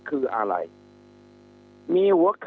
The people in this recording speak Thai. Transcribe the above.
คืออะไร